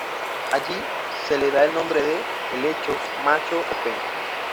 Allí se le da el nombre de ""helecho macho"" o ""penco"".